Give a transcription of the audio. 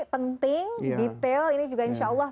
penting detail ini juga insya allah